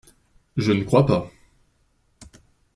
Je ne crois pas…